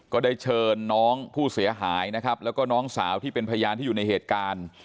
ก็ได้เชิญน้องผู้เสียหายนะครับแล้วก็น้องสาวที่เป็นพยานที่อยู่ในเหตุการณ์